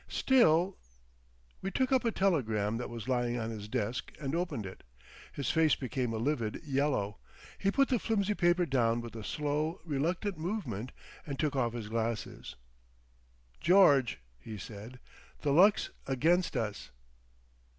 Still—" We took up a telegram that was lying on his desk and opened it. His face became a livid yellow. He put the flimsy paper down with a slow, reluctant movement and took off his glasses. "George," he said, "the luck's against us."